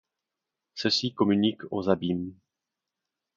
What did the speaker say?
Ceci communique aux abîmes.